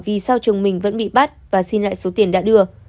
vì sao chồng mình vẫn bị bắt và xin lại số tiền đã đưa